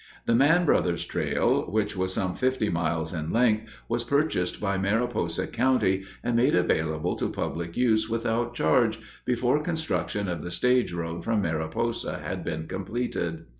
The Mann Brothers' Trail, which was some fifty miles in length, was purchased by Mariposa County and made available to public use without charge before construction of the stage road from Mariposa had been completed.